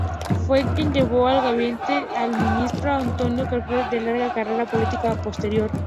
Fue quien llevó al gabinete al ministro Antonio Cafiero, de larga carrera política posterior.